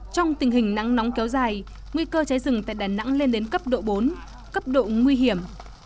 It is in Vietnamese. trong tình hình nắng nóng kéo dài nguy cơ cháy rừng tại đà nẵng lên đến cấp độ bốn cấp độ nguy hiểm